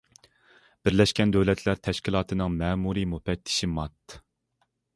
بىرلەشكەن دۆلەتلەر تەشكىلاتىنىڭ مەمۇرىي مۇپەتتىشى مات.